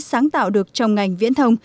sáng tạo được trong ngành viễn thông